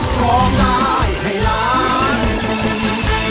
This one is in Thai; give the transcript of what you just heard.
ขอบใจให้ไหล